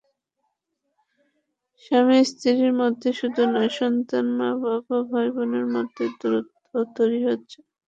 স্বামী-স্ত্রীর মধ্যেই শুধু নয়, সন্তান, মা-বাবা, ভাইবোনের মধ্যেও দূরত্ব তৈরি হচ্ছে।